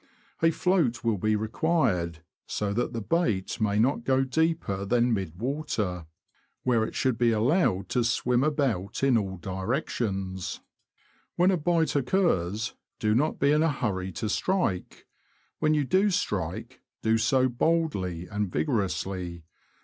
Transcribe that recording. A float will be required, so that the bait may not go deeper than mid water, where it should be allowed to swim about in all directions. When a bite occurs, do not be in a hurry to strike. When you do strike, do so boldly and vigorously.